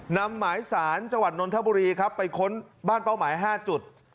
นำหมายสารจังหวัดนนทบุรีครับไปค้นบ้านเป้าหมาย๕จุด